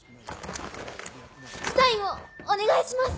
サインをお願いします！